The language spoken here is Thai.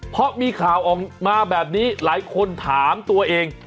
เพราะมีข่าวออกมาแบบนี้หลายคนถามตัวเอง